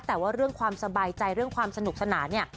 แต่ว่าเรื่องความสบายใจเรื่องความสนุกสนานเนี่ย